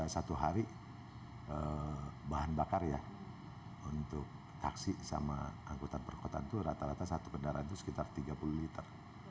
satu hari bahan bakar ya untuk taksi sama angkutan perkotaan itu rata rata satu kendaraan itu sekitar tiga puluh liter